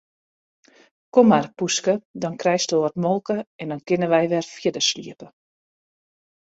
Kom mar poeske, dan krijsto wat molke en dan kinne wy wer fierder sliepe.